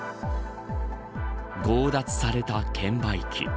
強奪された券売機。